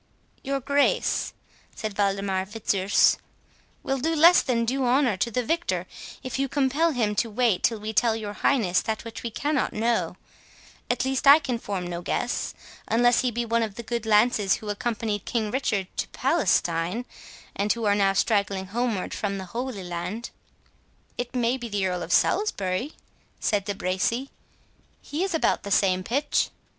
"Your Grace," said Waldemar Fitzurse, "will do less than due honour to the victor, if you compel him to wait till we tell your highness that which we cannot know; at least I can form no guess—unless he be one of the good lances who accompanied King Richard to Palestine, and who are now straggling homeward from the Holy Land." "It may be the Earl of Salisbury," said De Bracy; "he is about the same pitch."